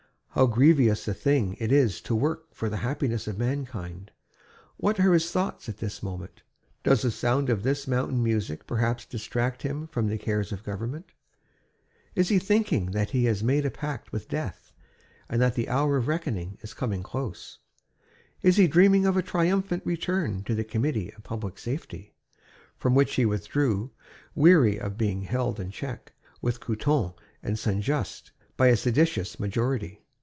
How grievous a thing it is to work for the happiness of mankind! What are his thoughts at this moment? Does the sound of this mountain music perhaps distract him from the cares of government? Is he thinking that he has made a pact with Death and that the hour of reckoning is coming close? Is he dreaming of a triumphant return to the Committee of Public Safety, from which he withdrew, weary of being held in check, with Couthon and Saint Just, by a seditious majority?